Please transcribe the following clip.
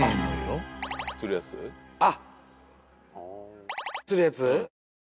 あっ！